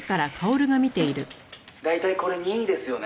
「大体これ任意ですよね？」